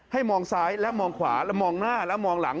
มองซ้ายและมองขวาและมองหน้าและมองหลัง